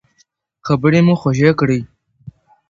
خبرې مو خوږې کړئ.